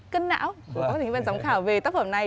cân não của các thành viên giám khảo về tác phẩm này